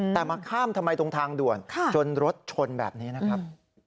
แต่มาข้ามทำไมตรงทางด่วนจนรถชนแบบนี้นะครับ